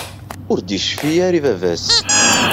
Ur d-yecfi ara i baba-s.